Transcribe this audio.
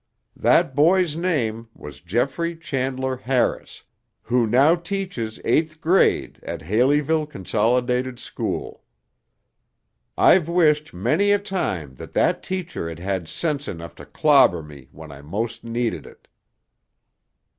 The boy's name was Jeffrey Chandler Harris, who now teaches eighth grade at Haleyville Consolidated School. I've wished many a time that that teacher had had sense enough to clobber me when I most needed it."